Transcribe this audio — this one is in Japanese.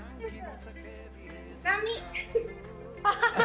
波。